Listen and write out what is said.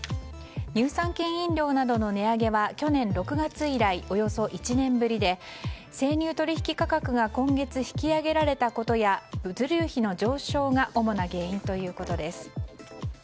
乳酸菌飲料などの値上げは去年６月以来およそ１年ぶりで生乳取引価格が今月引き上げられたことや物流費の上昇が主な原因ということです。